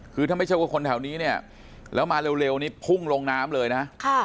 คือถ้าไม่ใช่ว่าคนแถวนี้เนี่ยแล้วมาเร็วนี่พุ่งลงน้ำเลยนะ